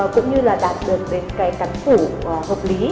cũng như là đạt được cắn phủ hợp lý